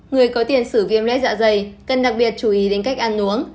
người có tiền sử viêm lết dạ dày cần đặc biệt chú ý đến cách ăn uống